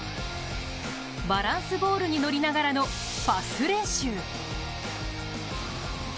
バランスボールに乗りながらのパス練習。